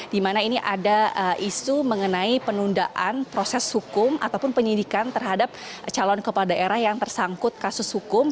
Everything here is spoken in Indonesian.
di mana ini ada isu mengenai penundaan proses hukum ataupun penyidikan terhadap calon kepala daerah yang tersangkut kasus hukum